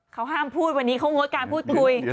เขาห้ามพูดวันนี้เขางดการพูดคุย